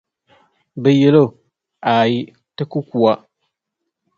"bɛ yɛli o, "Aai, ti ku ku a."